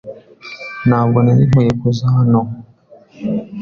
Ntabwo nari nkwiye kuza hano.